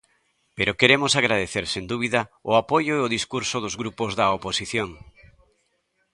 Pero queremos agradecer, sen dúbida, o apoio e o discurso dos grupos da oposición.